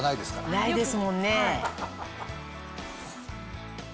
ないですもんね。